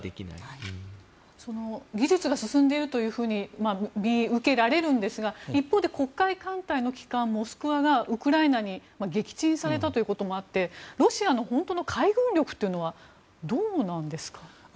技術が進んでいると見受けられるんですが一方で機関艦隊の「モスクワ」がウクライナに撃沈されたということもあってロシアの本当の海軍力はどうなんですかね？